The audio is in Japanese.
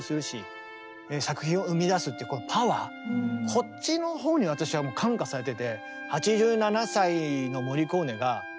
こっちのほうに私はもう感化されてて。